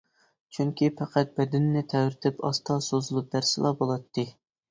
چۈنكى پەقەت بەدىنىنى تەۋرىتىپ، ئاستا سوزۇلۇپ بەرسىلا بولاتتى.